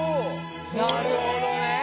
なるほどね！